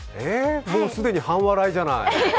もう既に半笑いじゃない。